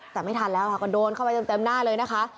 แต่ไม่ทันแล้วค่ะก็โดนเข้าไปเต็มหน้าเลยนะคะ